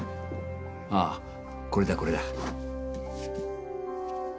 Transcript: ああこれだこれだ。